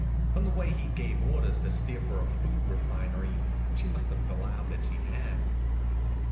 From the way he gave orders to steer for a food refinery she must have allowed that she had.